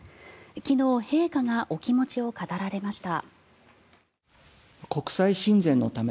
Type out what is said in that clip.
昨日、陛下がお気持ちを語られました。